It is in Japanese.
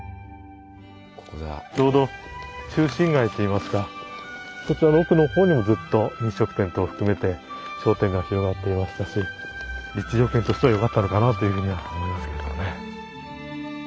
ちょうど中心街といいますかこちらの奥の方にもずっと飲食店等含めて商店が広がっていましたし立地条件としてはよかったのかなというふうに思いますけどね。